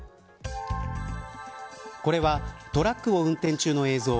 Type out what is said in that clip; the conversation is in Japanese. これはトラックを運転中の映像。